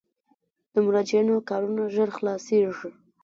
د مراجعینو کارونه ژر خلاصیږي؟